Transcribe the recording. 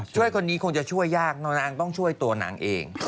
ช่วยคนนี้คงจะช่วยยากน้องอังต้องช่วยตัวหนังเอง